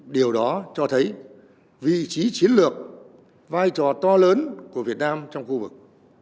điều đó cho thấy vị trí chiến lược vai trò to lớn của việt nam trong khu vực